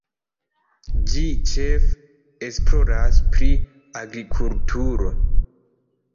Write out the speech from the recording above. Ĝi ĉefe esploras pri agrikulturo.